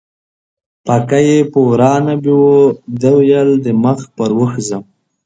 پکه یې په وراه نه بیوه، دې ویل د مخ پر اوښ زه ځم